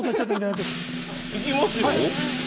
いきますよ。